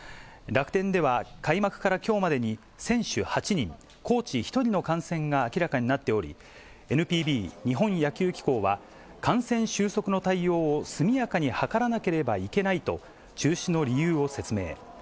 楽天では、開幕からきょうまでに選手８人、コーチ１人の感染が明らかになっており、ＮＰＢ・日本野球機構は、感染収束の対応を速やかに図らなければいけないと、中止の理由を説明。